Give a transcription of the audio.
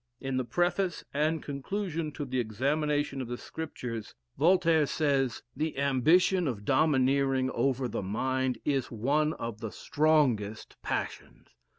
In the Preface and Conclusion to the "Examination of the Scriptures," Voltaire says: "The ambition of domineering over the mind, is one of the strongest passions.